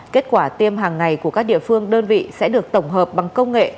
kết quả tiêm hàng ngày của các địa phương đơn vị sẽ được tổng hợp bằng công nghệ